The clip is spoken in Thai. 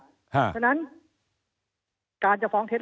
เพราะฉะนั้นการจะฟ้องเท็จ